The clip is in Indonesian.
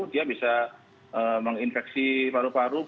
dia bisa menginfeksi paru paru